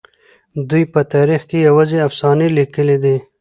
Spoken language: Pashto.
دوی په تاريخ کې يوازې افسانې ليکلي دي.